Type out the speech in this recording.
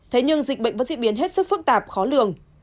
thế nhưng dịch bệnh vẫn diễn biến hết sức phức tạp khó lường